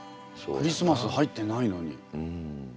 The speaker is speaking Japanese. クリスマス入ってないのに。